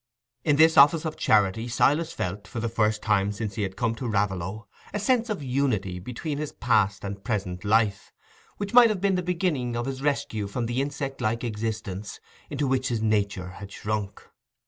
In this office of charity, Silas felt, for the first time since he had come to Raveloe, a sense of unity between his past and present life, which might have been the beginning of his rescue from the insect like existence into which his nature had shrunk.